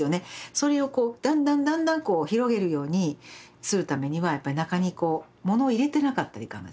それをだんだんだんだん広げるようにするためにはやっぱり中にこうものを入れてなかったらいかんがですね。